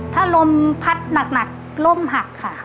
ถ้าลมพัดหนักล่มหักค่ะ